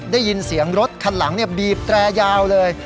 ได้ยินเสียงรถคันหลังบีบแตรยาวเลย